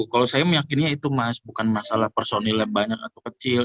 kalau saya meyakinya itu mas bukan masalah personil yang banyak atau kecil